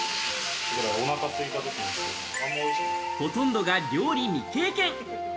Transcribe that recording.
ほとんどが料理未経験。